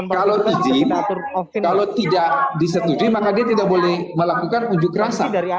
kalau izin kalau tidak disetujui maka dia tidak boleh melakukan unjuk rasa